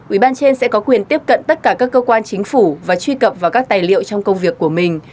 ủy ban trên sẽ có quyền tiếp cận tất cả các cơ quan chính phủ và truy cập vào các tài liệu trong công việc của mình